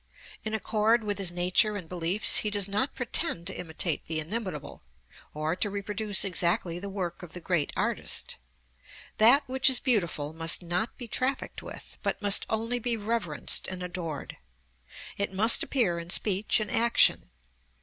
In accord with his nature and beliefs, he does not pretend to imitate the inimitable, or to reproduce exactly the work of the Great Artist. That which is beautiful must not be trafficked with, but must only be reverenced and adored. It must appear in speech and action.